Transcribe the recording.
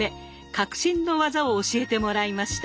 革新の技を教えてもらいました。